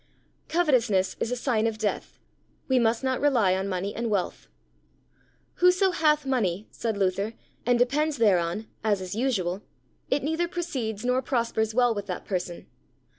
Covetousness is a Sign of Death; we must not rely on Money and Wealth. Whoso hath money, said Luther, and depends thereon, as is usual, it neither proceeds nor prospers well with that person.